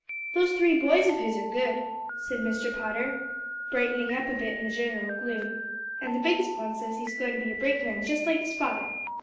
"Those three boys of his are good," said Mr. Potter, brightening up a bit in the general gloom; "and the biggest one says he's going to be a brakeman just like his father.